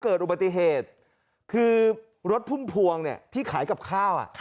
เกิดอุบัติเหตุคือรถพุ่มพวงเนี่ยที่ขายกับข้าว